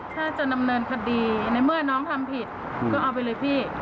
ถ้าจะดำเนินคดีในเมื่อน้องทำผิดก็เอาไปเลยพี่